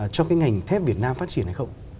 cho cái ngành thép việt nam phát triển hay không